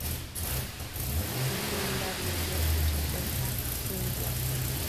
Entre un barrio y otro se encuentra un wadi.